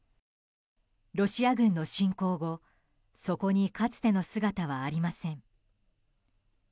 ロシア軍の侵攻後そこにかつての姿はありません。